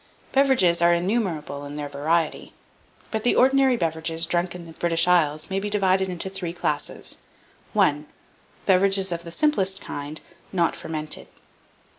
1789. Beverages are innumerable in their variety; but the ordinary beverages drunk in the British isles, may be divided into three classes: 1. Beverages of the simplest kind not fermented.